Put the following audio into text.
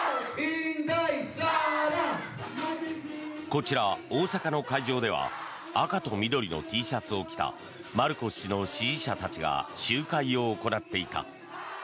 こちら、大阪の会場では赤と緑のＴシャツを着たマルコス氏の支持者たちが集会を行っていた。